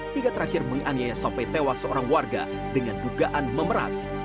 hingga terakhir menganiaya sampai tewas seorang warga dengan dugaan memeras